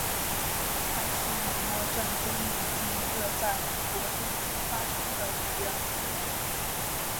它是美墨战争里第一个在美国边境发生的主要冲突点。